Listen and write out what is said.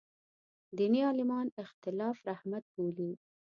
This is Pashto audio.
دیني عالمان اختلاف رحمت بولي.